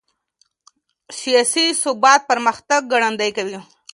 سياسي ثبات پرمختګ ګړندی کوي.